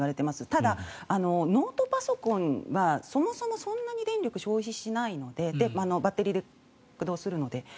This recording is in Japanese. ただ、ノートパソコンはそもそもそんなに電力を消費しないのでバッテリーで駆動するので。